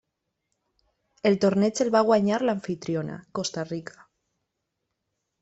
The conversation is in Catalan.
El torneig el va guanyar l'amfitriona, Costa Rica.